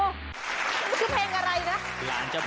มันคือเพลงอะไรนะ